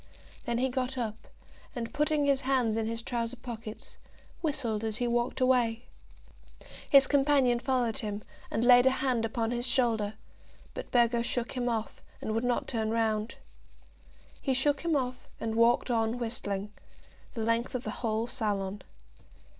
Then he got up, and, putting his hands in his trousers pockets, whistled as he walked away. His companion followed him, and laid a hand upon his shoulder; but Burgo shook him off, and would not turn round. He shook him off, and walked on whistling, the length of the whole salon.